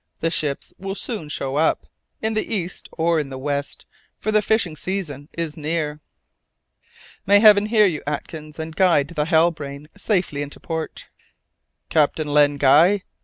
The ships will soon show up, in the east or in the west, for the fishing season is near." "May Heaven hear you, Atkins, and guide the Halbrane safely into port." "Captain Len Guy?